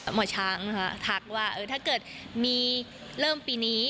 หมอช้างนะคะทักว่าถ้าเกิดมีเริ่มปีนี้